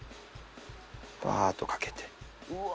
バーッとかけて。